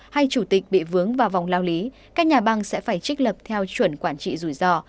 hay chủ tịch bị vướng vào vòng lao lý các nhà băng sẽ phải trích lập theo chuẩn quản trị rủi ro